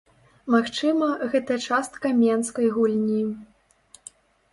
Магчыма, гэта частка мінскай гульні.